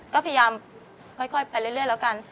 ก็พยายามค่อยไปเรื่อยแล้วกัน